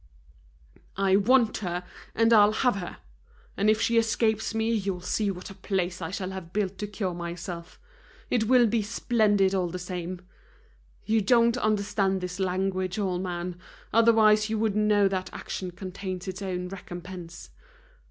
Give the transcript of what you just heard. "I want her, and I'll have her! And if she escapes me, you'll see what a place I shall have built to cure myself. It will be splendid, all the same. You don't understand this language, old man, otherwise you would know that action contains its own recompense.